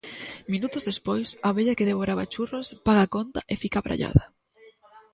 Minutos despois, a vella que devoraba churros paga a conta e fica abraiada: